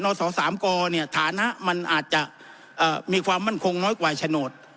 สสามกเนี่ยฐานะมันอาจจะมีความมั่นคงน้อยกว่าโฉนด